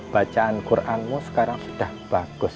bacaan qur'anmu sekarang udah bagus